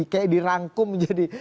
kayak dirangkum menjadi